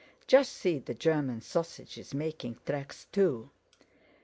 "Just see, the German sausage is making tracks, too!"